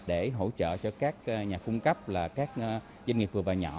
để hỗ trợ cho các nhà cung cấp là các doanh nghiệp vừa và nhỏ